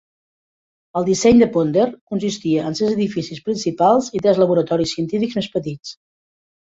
El disseny de Ponder consistia en sis edificis principals i tres laboratoris científics més petits.